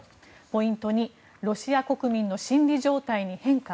ポイント２ロシア国民の心理状態に変化。